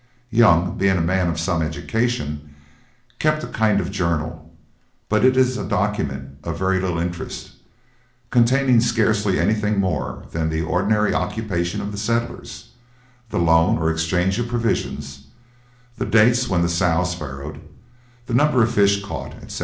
Young, being a man of some education, kept a kind of journal, but it is a document of very little interest, containing scarcely anything more than the ordinary occupations of the settlers, the loan or exchange of provisions, the dates when the sows farrowed, the number of fish caught, etc.